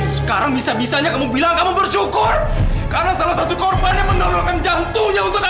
sekarang bisa bisanya kamu bilang kamu bersyukur karena salah satu korban yang menonakkan jantungnya untuk kamu